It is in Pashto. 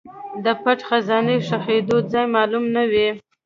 د پټ خزانه ښخېدو ځای معلوم نه و.